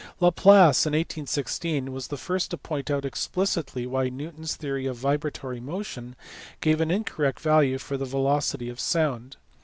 Laplace in 1816 was the first to point out explicitly why Newton s theory of vibratory motion gave an incorrect value for the velocity of sound.